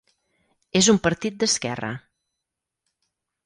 És un partit d'esquerra.